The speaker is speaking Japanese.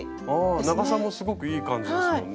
あ長さもすごくいい感じですもんね。